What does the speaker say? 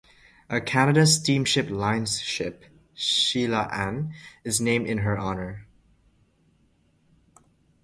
A Canada Steamship Lines ship, "Sheila Ann", is named in her honour.